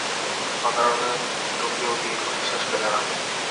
অকারণে তো কেউ দীর্ঘ নিঃশ্বাস ফেলে না।